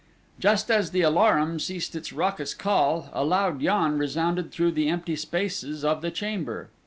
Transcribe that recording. Just as the alarum ceased its raucous call, a loud yawn resounded through the empty spaces of the chamber.